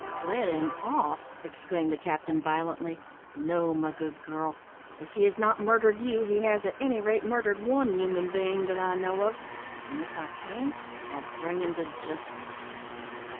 "Let him off!" exclaimed the captain, violently; "no, my good girl; if he has not murdered you, he has at any rate murdered one human being that I know of, and if I can, I'll bring him to justice."